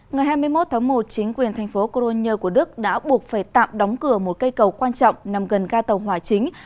ngày hai mươi một tháng một chính quyền thành phố colone của đức đã buộc phải tạm đóng cửa một cây cầu quan trọng nằm gần ga tàu hỏa chính